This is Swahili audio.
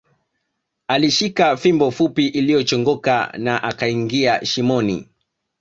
Alishika fimbo fupi iliyochongoka na akaingia shimoni